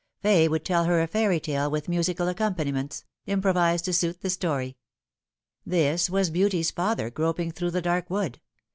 Fay would tell her a fairy tale, with musical accompaniments, im provised to suit the story. This was Beauty's father groping through the dark wood.